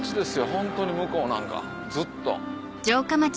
ホントに向こうなんかずっと。